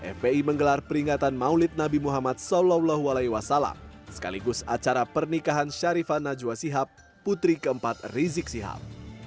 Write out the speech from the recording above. fpi menggelar peringatan maulid nabi muhammad saw sekaligus acara pernikahan syarifa najwa sihab putri keempat rizik sihab